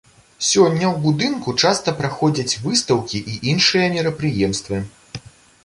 Сёння ў будынку часта праходзяць выстаўкі і іншыя мерапрыемствы.